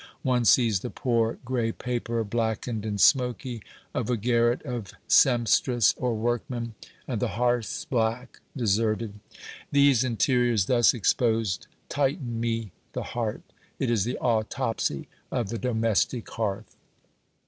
one sees the poor grey paper, blackened and smoky, of a garret of sempstress, or workman, and the hearths black, deserted. These interiors thus exposed tighten me the heart. It is the autopsy of the domestic hearth.